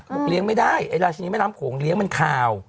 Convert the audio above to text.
เลี้ยงไม่ได้ไอ้ราชินีแม่น้ำโขงเลี้ยงมันขาว